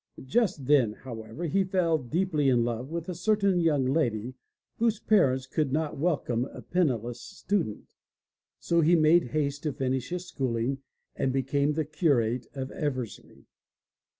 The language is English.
Just then, however, he fell deeply in love with a certain young lady whose parents could not welcome a penniless student. So he made haste to finish his schooling and became the curate of Eversley.